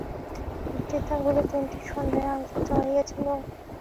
বক্তৃতাগুলি তিনটি সন্ধ্যায় আয়োজিত হইয়াছিল।